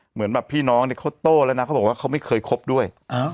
เหมือนแบบพี่น้องเนี่ยเขาโต้แล้วนะเขาบอกว่าเขาไม่เคยคบด้วย